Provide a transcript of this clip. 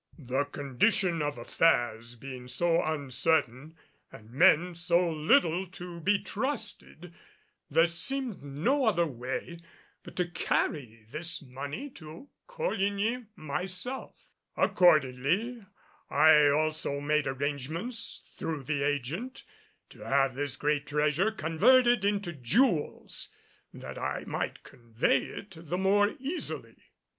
The condition of affairs being so uncertain and men so little to be trusted, there seemed no other way but to carry this money to Coligny myself. Accordingly I also made arrangements through the agent to have this great treasure converted into jewels that I might convey it the more easily.